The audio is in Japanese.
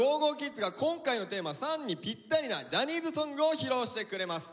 ｋｉｄｓが今回のテーマ「ＳＵＮ」にぴったりなジャニーズソングを披露してくれます。